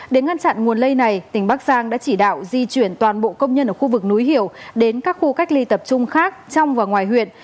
để ngăn chặn nguồn lây này tỉnh bắc giang đã chỉ đạo di chuyển toàn bộ công nhân ở khu vực núi hiểu đến các khu cách ly tập trung khác trong và ngoài huyện